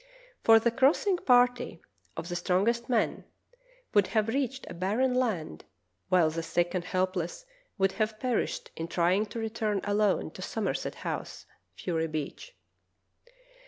For the crossing party, of the strongest men, would have reached a barren land, while the sick and helpless would have perished in try ing to return alone to Somerset House (Fury Beach).